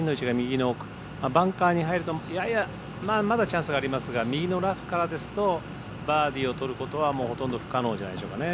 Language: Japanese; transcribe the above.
バンカーに入るとややまだチャンスはありますが右のラフからですとバーディーをとることはもうほとんど不可能じゃないでしょうかね。